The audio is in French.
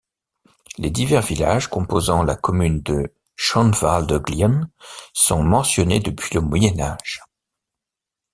Les divers villages composant la commune de Schönwalde-Glien, sont mentionnés depuis le Moyen Âge.